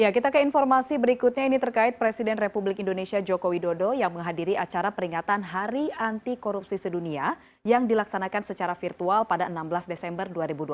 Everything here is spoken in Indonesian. kita ke informasi berikutnya ini terkait presiden republik indonesia joko widodo yang menghadiri acara peringatan hari anti korupsi sedunia yang dilaksanakan secara virtual pada enam belas desember dua ribu dua puluh